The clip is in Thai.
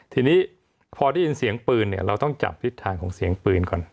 ทีนี้พอได้ยินเสียงปืนเนี่ยเราต้องจับทิศทางของเสียงปืนก่อน